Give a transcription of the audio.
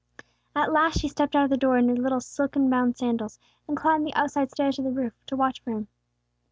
At last she stepped out of the door in her little silken bound sandals, and climbed the outside stairs to the roof, to watch for him.